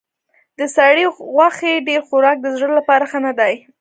د سرې غوښې ډېر خوراک د زړه لپاره ښه نه دی.